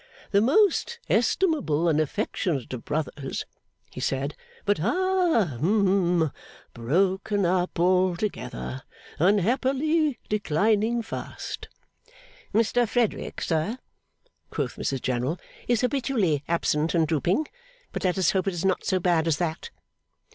'The most estimable and affectionate of brothers,' he said, 'but ha, hum broken up altogether. Unhappily, declining fast.' 'Mr Frederick, sir,' quoth Mrs General, 'is habitually absent and drooping, but let us hope it is not so bad as that.